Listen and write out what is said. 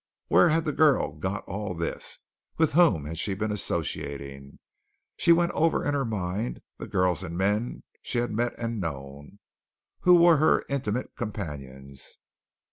Where had the girl got all this? With whom had she been associating? She went over in her mind the girls and men she had met and known. Who were her intimate companions?